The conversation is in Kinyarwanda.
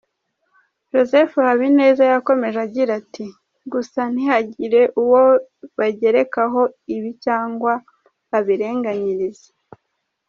Joseph Habineza yakomeje agira ati :“ Gusa ntihagire uwo bagerekaho ibi cyangwa babirenganyirize.